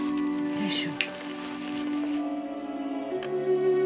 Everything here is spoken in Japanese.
よいしょ。